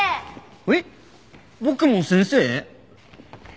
えっ僕も先生？